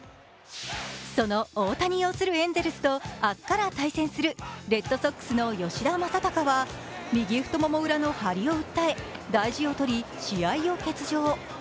その大谷擁するエンゼルスと明日から対戦するレッドソックスの吉田正尚は右太もも裏の張りを訴え大事を取り、試合を欠場。